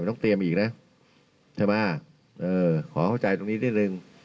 ต้องเตรียมอีกนะใช่ไหมเออขอเข้าใจตรงนี้นิดนึง